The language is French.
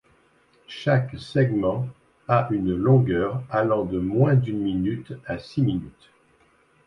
Chaque segment a une longueur allant de moins d'une minute à six minutes.